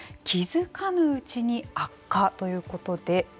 気付かぬうちに悪化ということで。